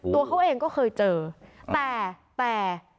ตัวเขาเองก็เคยเจอแต่แต่